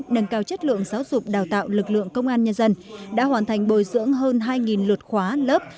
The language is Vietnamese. nâng cao chất lượng giáo dục đào tạo lực lượng công an nhân dân đã hoàn thành bồi dưỡng hơn hai luật khóa lớp